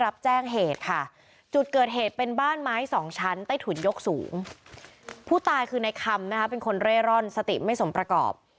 ก็คือในคำนะคะเป็นคนเร่ร่อนสติไม่สมประกอบ